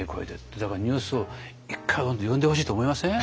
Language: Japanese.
だからニュースを１回読んでほしいと思いません？